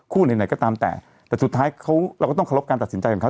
ไหนก็ตามแต่แต่สุดท้ายเขาเราก็ต้องเคารพการตัดสินใจของเขา